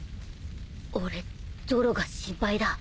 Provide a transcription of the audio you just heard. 俺ゾロが心配だ。